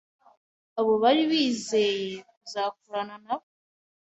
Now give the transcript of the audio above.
abo bari bizeye kuzakorana nabo